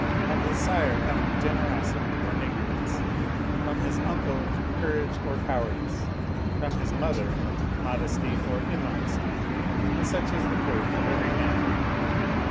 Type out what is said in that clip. From his sire cometh generosity or nig gardness; from his uncle courage or cowardice; from his mother modesty or immodesty; and such is the proof of every man."